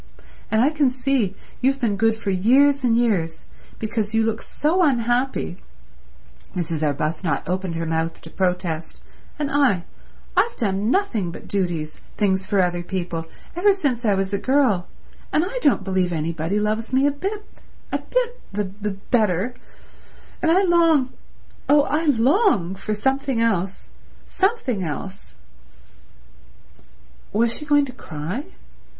And I can see you've been good for years and years, because you look so unhappy"— Mrs. Arbuthnot opened her mouth to protest—"and I—I've done nothing but duties, things for other people, ever since I was a girl, and I don't believe anybody loves me a bit—a bit—the b better—and I long— oh, I long—for something else—something else—" Was she going to cry?